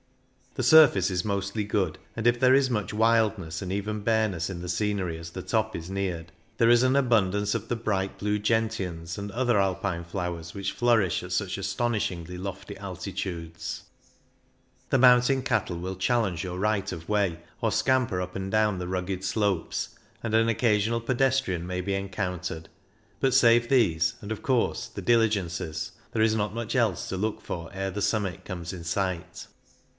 The surface is mostly good, and if there is much wildness and even bareness in the scenery as the top is neared, there is an THE ALBULA 67 abundance of the bright blue gentians and other Alpine flowers which flourish at such astonishingly lofty altitudes. The mountain cattle will challenge your right of way, or scamper up and down the rugged slopes, and an occasional pedestrian may be encountered ; but save these and, of course, the diligences, there is not much else to look for ere the summit comes in sight.